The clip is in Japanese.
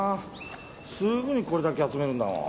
すぐにこれだけ集めるんだもん。